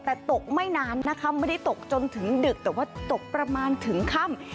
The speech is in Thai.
แต่ตกไม่นานนะคะไม่ได้ตกจนถึงดึกแต่ว่าตกประมาณถึงค่ำ